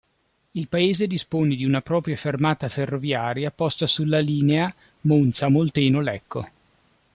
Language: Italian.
Il paese dispone di una propria fermata ferroviaria posta sulla linea Monza-Molteno-Lecco.